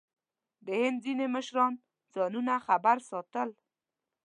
د هند ځینې مشران ځانونه خبر ساتل.